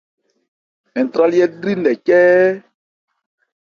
Ntrályɛ́ lri nkɛ cɛ́ɛ́.